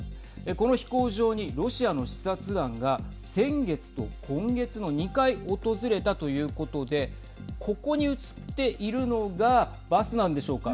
この飛行場に、ロシアの視察団が先月と今月の２回訪れたということでここに写っているのがバスなんでしょうか。